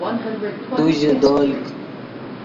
تو ژے دولک